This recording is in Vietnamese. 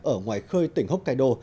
ở ngoài khơi tỉnh hokkaido